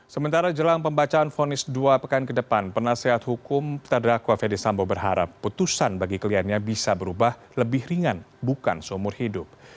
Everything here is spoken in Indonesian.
sementara jelang pembacaan vonis dua pekan ke depan penasihat hukum tadakwa fede sambo berharap putusan bagi kliennya bisa berubah lebih ringan bukan seumur hidup